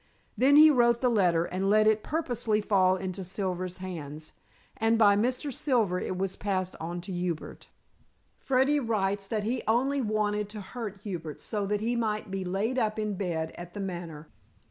Then he wrote the letter and let it purposely fall into Mr. Silver's hands, and by Mr. Silver it was passed on to Hubert. Freddy writes that he only wanted to hurt Hubert so that he might be laid up in bed at The Manor.